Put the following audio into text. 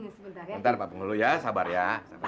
sebentar pak pengeluh ya sabar ya